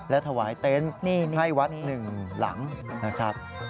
และถวายเต็นต์ให้วัดหนึ่งหลังนะครับ